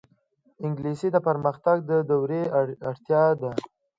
انګلیسي د پرمختګ د دورې اړتیا ده